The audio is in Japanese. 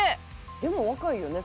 「でも若いよね